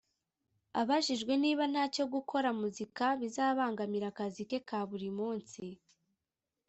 Abajijwe niba ntacyo gukora muzika bizabangamira akazi ke ka buri munsi